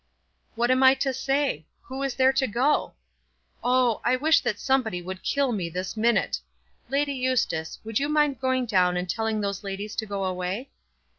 "What am I to say? Who is there to go? Oh, I wish that somebody would kill me this minute! Lady Eustace, would you mind going down and telling those ladies to go away?"